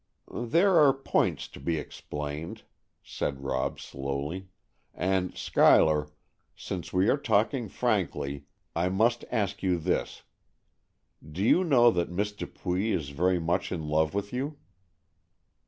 "There are points to be explained," said Rob slowly; "and, Schuyler, since we are talking frankly, I must ask you this: do you know that Miss Dupuy is very much in love with you?"